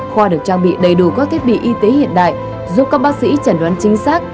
khoa được trang bị đầy đủ các thiết bị y tế hiện đại giúp các bác sĩ chẩn đoán chính xác